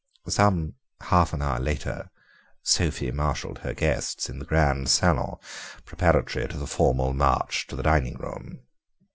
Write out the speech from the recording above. Some half an hour later Sophie marshalled her guests in the Grand Salon preparatory to the formal march to the dining room.